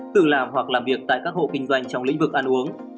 tự làm hoặc làm việc tại các hộ kinh doanh trong lĩnh vực ăn uống